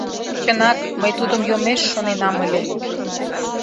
Чынак, мый тудым йомеш шоненам ыле.